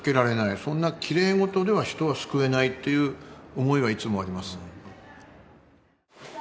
そんなきれい事では人は救えないっていう思いはいつもあります。